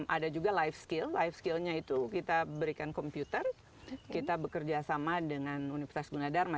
ada juga life skill life skillnya itu kita berikan komputer kita bekerja sama dengan universitas gunadharma